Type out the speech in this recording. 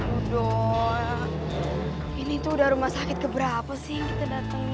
udah ini tuh udah rumah sakit keberapa sih kita datang